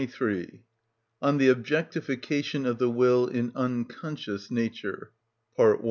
(3)On The Objectification Of The Will In Unconscious Nature.